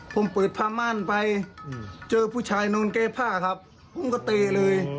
ผมเปิดผ้าม่านไปเจอผู้ชายนอนแก้ผ้าครับผมก็เตะเลย